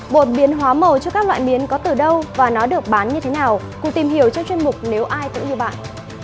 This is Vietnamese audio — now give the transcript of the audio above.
bột biến hóa màu cho các loại miến có từ đâu và nó được bán như thế nào cùng tìm hiểu trong chuyên mục nếu ai tự yêu bạn